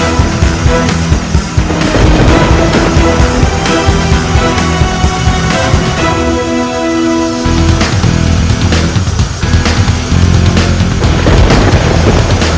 antonina mengbuaktikannya dengan rezeki